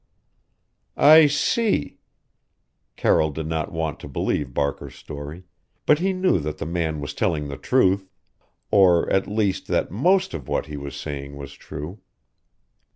"I see " Carroll did not want to believe Barker's story, but he knew that the man was telling the truth or at least that most of what he was saying was true.